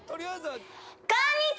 「こんにちは！